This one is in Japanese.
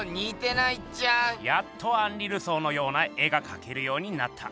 「やっとアンリ・ルソーのような絵が描けるようになった」。